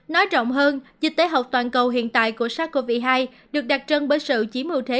nói rộng hơn dịch tế học toàn cầu hiện tại của sars cov hai được đặt chân bởi sự chiếm ưu thế